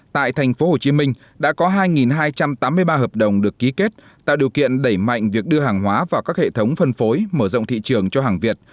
tại thành phố hồ chí minh đã có hai hai trăm tám mươi ba hợp đồng được ký kết tạo điều kiện đẩy mạnh việc đưa hàng hóa vào các hệ thống phân phối mở rộng thị trường cho hàng việt